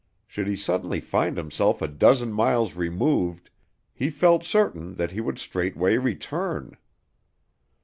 Should he suddenly find himself a dozen miles removed, he felt certain that he would straightway return.